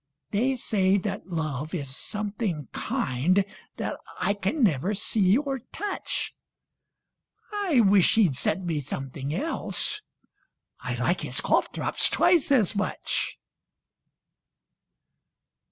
They say that love is something kind, That I can never see or touch. I wish he'd sent me something else, I like his cough drops twice as much.